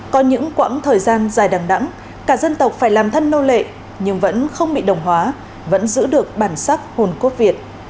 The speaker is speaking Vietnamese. có những quãng thời gian dài đàng đẳng cả dân tộc phải làm thân nô lệ nhưng vẫn không bị đồng hóa vẫn giữ được bản sắc hồn cốt việt